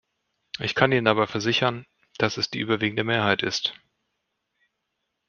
Ich kann Ihnen aber versichern, dass es die überwiegende Mehrheit ist.